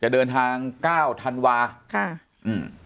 เดินทาง๙ธันวาคม